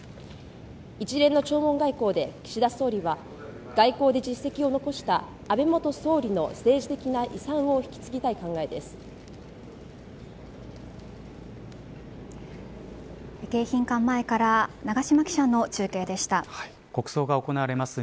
一連の弔問外交で岸田総理は外交で実績を残した安倍元総理の政治的な遺産を引き継ぎたい考えです。